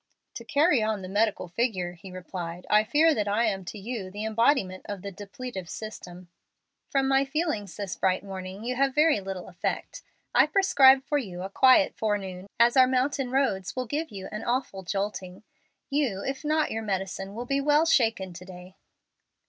"To carry on the medical figure," he replied, "I fear that I am to you the embodiment of the depletive system." "From my feelings this bright morning you have very little effect. I prescribe for you a quiet forenoon, as our mountain roads will give you an awful jolting. You, if not your medicine, will be well shaken to day."